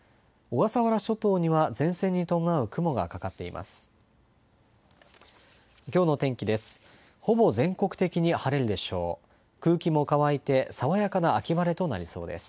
小笠原諸島には前線に伴う雲がかかっています。